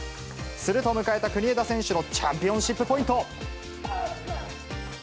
すると迎えた国枝選手のチャンピオンシップポイント。